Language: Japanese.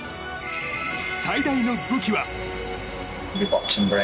最大の武器は。